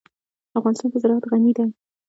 افغانستان په زراعت غني دی.